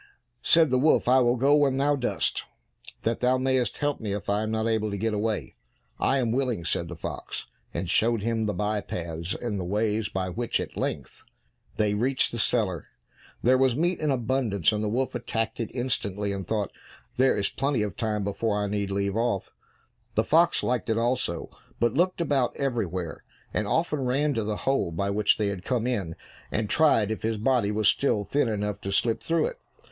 Said the wolf, "I will go when thou dost, that thou mayest help me if I am not able to get away." "I am willing," said the fox, and showed him the by paths and ways by which at length they reached the cellar. There was meat in abundance, and the wolf attacked it instantly and thought, "There is plenty of time before I need leave off!" The fox liked it also, but looked about everywhere, and often ran to the hole by which they had come in, and tried if his body was still thin enough to slip through it.